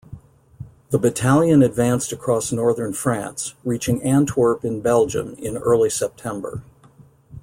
The battalion advanced across Northern France, reaching Antwerp in Belgium in early September.